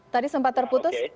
tadi sempat terputus